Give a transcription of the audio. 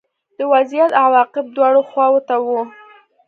د وضعیت عواقب دواړو خواوو ته وو